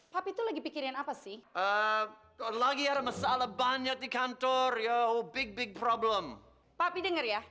tapi itu lagi pikirin apa sih lagi ada masalah banyak di kantor yo big big problem tapi denger ya